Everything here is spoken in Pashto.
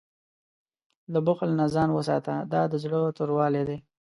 له بخل نه ځان وساته، دا د زړه توروالی دی.